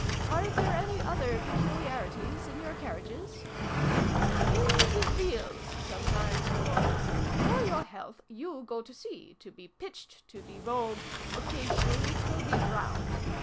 "Are there any other peculiarities in your carriages ?"" In the wheels, sometimes, my Lord. For your health, you go to sea : to be pitched, to be rolled, occasionally to be drowned.